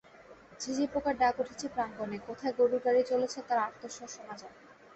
ঝিঁঝি পোকার ডাক উঠেছে প্রাঙ্গণে, কোথায় গরুর গাড়ি চলেছে তার আর্তস্বর শোনা যায়।